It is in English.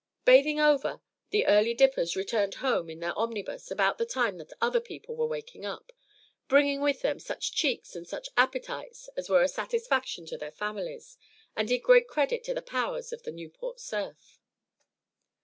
Bathing over, the "Early Dippers" returned home in their omnibus about the time that other people were waking up, bringing with them such cheeks and such appetites as were a satisfaction to their families, and did great credit to the powers of the Newport surf.